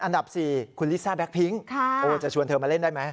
อันดับสี่คุณลิซ่าแบล็คพิ้งค์โอ้จะชวนเธอมาเล่นได้ไหม